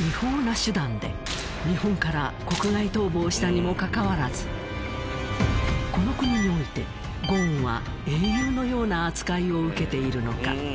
違法な手段で日本から国外逃亡したにもかかわらずこの国においてゴーンは英雄のような扱いを受けているのか？